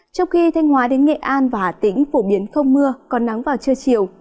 trong khi thanh hóa đến nghệ an và tỉnh phổ biến không mưa còn nắng vào trưa chiều